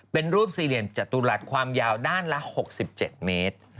เป็นรูปสี่เหลี่ยมจตุรัสความยาวด้านละ๖๗เมตร